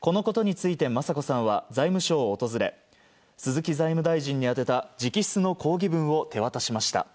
このことについて雅子さんは財務省を訪れ鈴木財務大臣に宛てた直筆の抗議文を手渡しました。